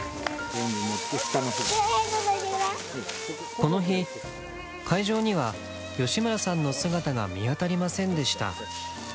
この日会場には吉村さんの姿が見当たりませんでした。